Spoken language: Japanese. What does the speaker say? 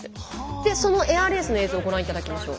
でそのエアレースの映像ご覧頂きましょう。